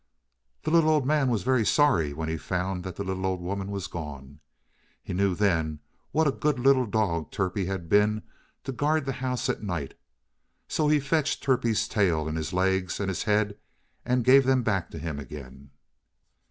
The little old man was very sorry when he found that the little old woman was gone. He knew then what a good little dog Turpie had been to guard the house at night, so he fetched Turpie's tail, and his legs, and his head, and gave them back to him again.